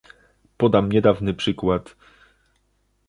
Podam niedawny przykład